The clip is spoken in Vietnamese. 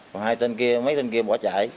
còn hai tên kia mấy tên kia bỏ chạy